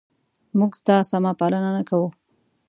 موږ ستا سمه پالنه نه کوو؟